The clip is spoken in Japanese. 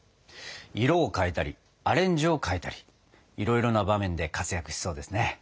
色を変えたりアレンジを変えたりいろいろな場面で活躍しそうですね。